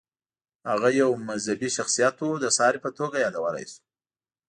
هغه یو مذهبي شخصیت و، د ساري په توګه یادولی شو.